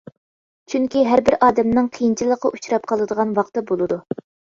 چۈنكى ھەربىر ئادەمنىڭ قىيىنچىلىققا ئۇچراپ قالىدىغان ۋاقتى بولىدۇ.